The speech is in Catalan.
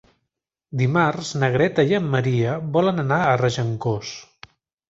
Dimarts na Greta i en Maria volen anar a Regencós.